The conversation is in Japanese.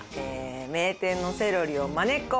「名店のセロリをまねっこ」